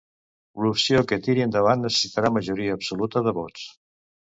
L'opció que tiri endavant necessitarà majoria absoluta de vots.